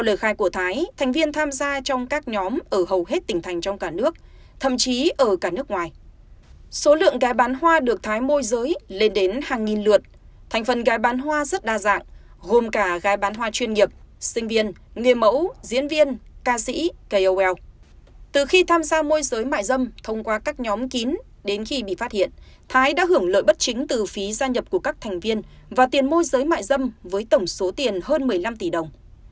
từ khi tham gia môi giới mại dâm thông qua các nhóm kín đến khi bị phát hiện thái đã hưởng lợi bất chính từ phí gia nhập của các thành viên và tiền môi giới mại dâm với tổng số tiền hơn một mươi năm tỷ đồng